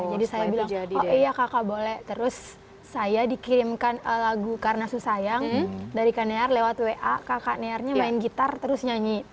jadi saya bilang oh iya kak boleh terus saya dikirimkan lagu karna su sayang dari kak kaniar lewat wa kak kaniarnya main gitar terus nyanyi